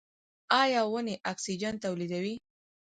ایا ونې اکسیجن تولیدوي؟